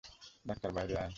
Doctor, বাইরে আয়!